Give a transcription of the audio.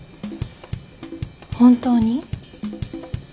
本当に？